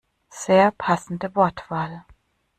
Sehr passende Wortwahl!